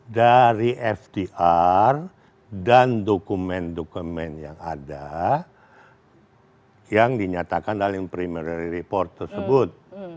dari fdr dan dokumen dokumen yang ada yang dinyatakan dalam primary report tersebut